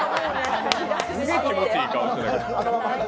すげえ気持ちいい顔して。